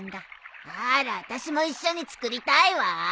あらあたしも一緒に作りたいわ。